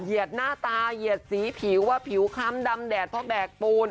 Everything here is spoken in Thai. เหยียดหน้าตาเหยียดสีผิวว่าผิวคล้ำดำแดดเพราะแบกปูน